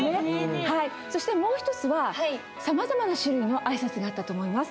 そしてもう一つはさまざまな種類の挨拶があったと思います。